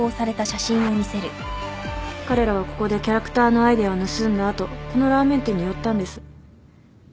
彼らはここでキャラクターのアイデアを盗んだ後このラーメン店に寄ったんです。